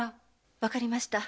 わかりました。